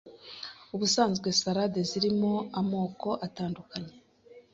Ubusanzwe Salade zirimo amoko atandukanye